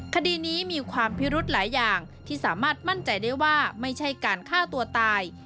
คดีนี้มีความพิรุธหลายอย่างที่สามารถมั่นใจได้ว่าไม่ใช่การฆ่าตัวตาย